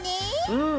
うん！